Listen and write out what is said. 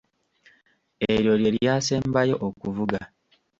Eryo lye lyasembayo okuvuga.